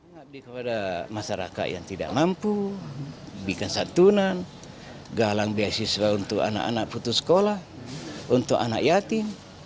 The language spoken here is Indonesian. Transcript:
mengabdi kepada masyarakat yang tidak mampu bikin santunan galang beasiswa untuk anak anak putus sekolah untuk anak yatim